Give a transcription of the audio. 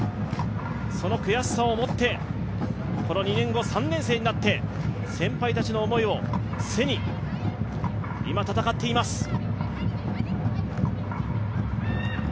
その悔しさをもって、この２年後、３年生になって先輩たちの思いを背に今、戦っています。